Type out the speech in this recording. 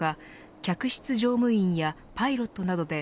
客室乗務員やパイロットなどで